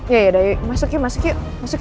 yaudah yuk masuk yuk